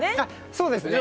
そうですね